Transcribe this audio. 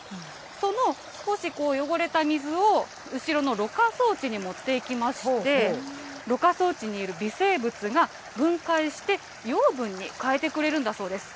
その少し汚れた水を後ろのろ過装置に持っていきまして、ろ過装置にいる微生物が分解して、養分に変えてくれるんだそうです。